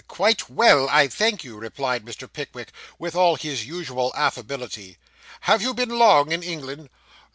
'Quite well, I thank you,' replied Mr. Pickwick, with all his usual affability. 'Have you been long in England?